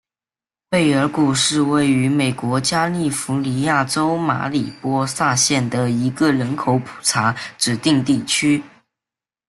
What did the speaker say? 贝尔谷是位于美国加利福尼亚州马里波萨县的一个人口普查指定地区。